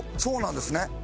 そうなんですね。